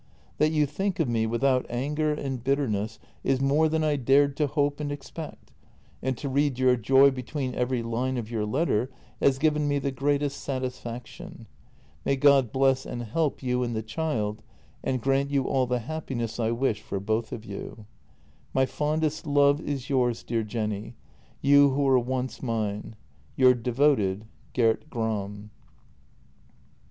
That you think of me without anger and bitterness is more than I dared to hope and expect, and to read your joy between every line of your letter has given me the greatest satisfaction. May God bless and help you and the child, and grant you all the happiness I wish for both of you. " My fondest love is yours, dear Jenny — you who were once mine. — Your devoted, Gert Gram."